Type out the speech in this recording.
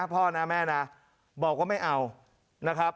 พ่อนะแม่นะบอกว่าไม่เอานะครับ